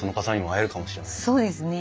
そうですね。